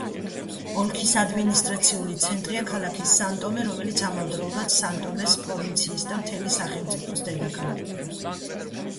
ოლქის ადმინისტრაციული ცენტრია ქალაქი სან-ტომე, რომელიც ამავდროულად სან-ტომეს პროვინციის და მთელი სახელმწიფოს დედაქალაქია.